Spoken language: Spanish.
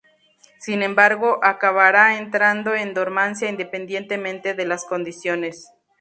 Sin embargo, acabará entrando en dormancia independientemente de las condiciones.